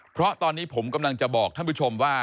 เพราะตอนนี้ผมกำลังจะบอกท่านผู้ชมว่า